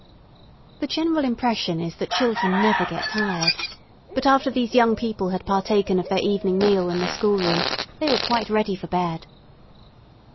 The general impression is that children never get tired, but after these young people had partaken of their evening meal in the schoolroom, they were quite ready for bed.